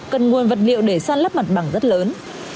cần nguồn vật liệu để san lấp mặt bằng rất lớn